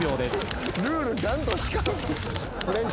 ルールちゃんと敷かんと。